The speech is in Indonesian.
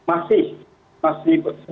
pembayaran itu masih tunai